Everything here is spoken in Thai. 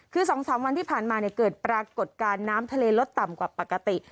คือ๒๓วันที่ผ่านมาเกิดปรากฏการณ์น้ำทะเลลดต่ำกว่าปกติ